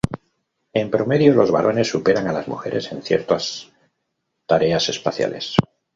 En promedio, los varones superan a las mujeres en ciertas tareas espaciales.